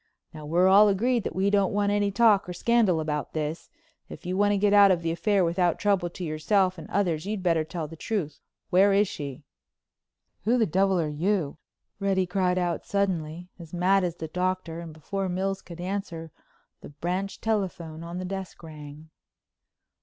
Now we're all agreed that we don't want any talk or scandal about this. If you want to get out of the affair without trouble to yourself and others you'd better tell the truth. Where is she?" "Who the devil are you?" Reddy cried out suddenly, as mad as the Doctor, and before Mills could answer, the branch telephone on the desk rang.